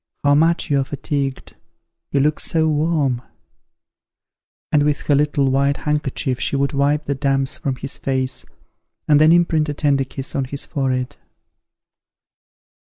How much you are fatigued, you look so warm!" and with her little white handkerchief she would wipe the damps from his face, and then imprint a tender kiss on his forehead.